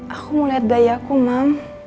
aku mau lihat bayi aku mam